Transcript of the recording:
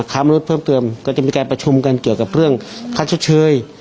ค้ามนุษย์เพิ่มเติมก็จะมีการประชุมกันเกี่ยวกับเรื่องค่าชดเชย